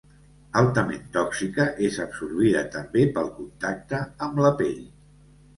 Altament tòxica, és absorbida també pel contacte amb la pell.